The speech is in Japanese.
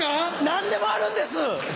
何でもあるんです！